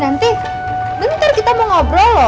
nanti bentar kita mau ngobrol loh